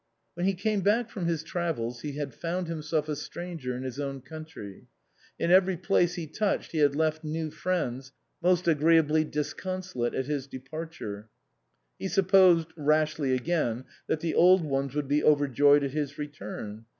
When he came back from his travels he had found himself a stranger in his own country. In every place he touched he had left new friends most agreeably disconsolate at his departure ; he supposed (rashly again) that the old ones would be overjoyed at his return.